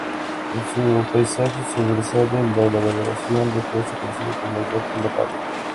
En su paisaje sobresale la elevación rocosa conocida como Roque la Baga.